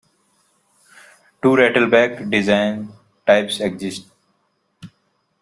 Two rattleback design types exist.